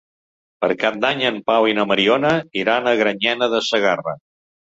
Per Cap d'Any en Pau i na Mariona iran a Granyena de Segarra.